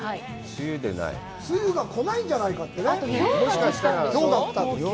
梅雨が来ないんじゃないかって。